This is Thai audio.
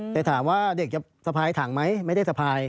แต่ถามว่าเด็กจะสะพายถังไหมไม่ได้สะพาย